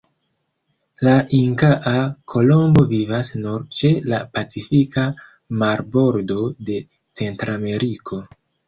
La Inkaa kolombo vivas nur ĉe la Pacifika marbordo de Centrameriko.